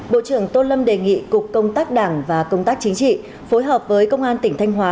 bộ trưởng tô lâm đề nghị cục công tác đảng và công tác chính trị phối hợp với công an tỉnh thanh hóa